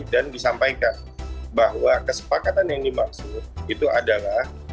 dan disampaikan bahwa kesepakatan yang dimaksud itu adalah